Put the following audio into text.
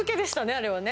あれはね。